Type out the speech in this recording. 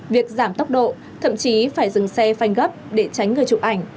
việc giảm tốc độ thậm chí phải dừng xe phanh gấp để tránh người chụp ảnh